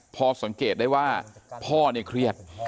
พอสังเกตได้ว่าพ่อเนี่ยเครียด